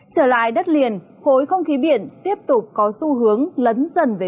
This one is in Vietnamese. trở lại đất liền khối không khí biển tiếp tục có xu hướng lấn dần về